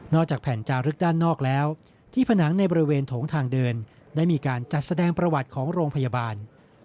จากแผ่นจารึกด้านนอกแล้วที่ผนังในบริเวณโถงทางเดินได้มีการจัดแสดงประวัติของโรงพยาบาล